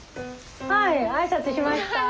はい挨拶しました。